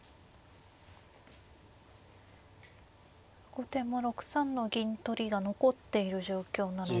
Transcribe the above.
後手も６三の銀取りが残っている状況なので。